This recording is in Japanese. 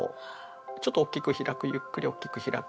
ちょっとおっきく開くゆっくりおっきく開く。